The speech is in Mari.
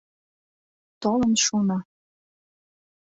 Толын шуна...